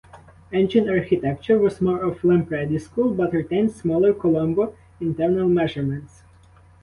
Engine architecture was more of "Lampredi" school but retained smaller "Colombo" internal measurements.